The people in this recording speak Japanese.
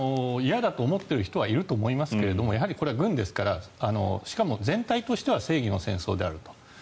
嫌だと思っている人はいると思いますがやはり軍ですからしかも全体としては正義の戦争であると。